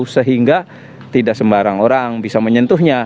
sehingga tidak sembarang orang bisa menyentuhnya